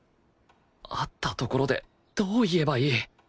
会ったところでどう言えばいい？